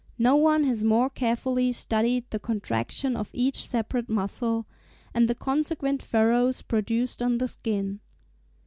No one has more carefully studied the contraction of each separate muscle, and the consequent furrows produced on the skin.